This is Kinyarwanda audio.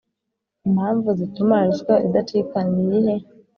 Impamvu zituma ruswa idacika niyihe